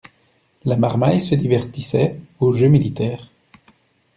La marmaille se divertissait aux jeux militaires.